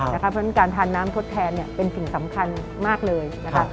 เพราะฉะนั้นการทานน้ำทดแทนเป็นสิ่งสำคัญมากเลยนะคะ